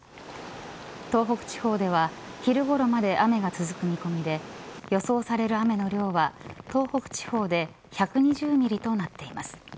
東北地方では昼ごろまで雨が続く見込みで予想される雨の量は東北地方で１２０ミリとなっています。